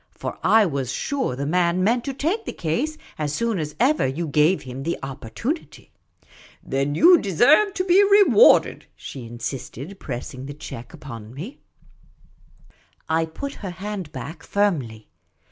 For I was sure the man meant to take the case as soon as ever you gave him the opportunity." " Then you deserve to be rewarded," she insisted, press ing the cheque upon me. VJ\ The Supercilious Attache 33 I put her hand back firmly.